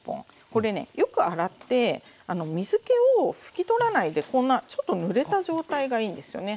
これねよく洗って水けを拭き取らないでこんなちょっとぬれた状態がいいんですよね。